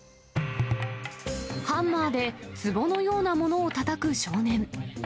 ハンマーでつぼのようなものをたたく少年。